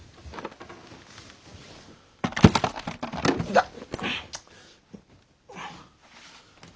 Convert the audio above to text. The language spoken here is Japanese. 痛っ。